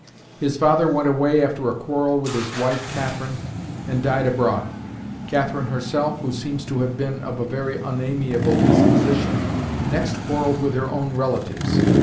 His father went away after a quarrel with his wife Catherine, and died abroad. Catherine herself, who seems to have been of a very unamiable disposition, next quarrelled with her own relatives.